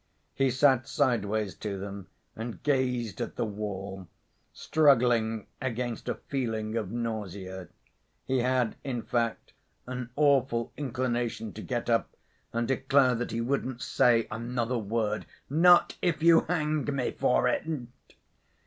He sat sideways to them and gazed at the wall, struggling against a feeling of nausea. He had, in fact, an awful inclination to get up and declare that he wouldn't say another word, "not if you hang me for it."